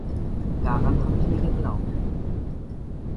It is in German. Daran habe ich nie geglaubt.